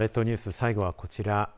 最後はこちら。